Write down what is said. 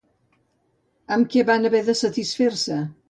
Amb què van haver de satisfer-se?